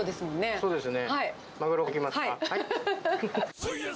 そうですね。